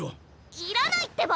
いらないってば！